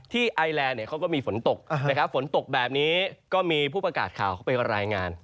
ไอแลนด์เขาก็มีฝนตกนะครับฝนตกแบบนี้ก็มีผู้ประกาศข่าวเขาไปรายงาน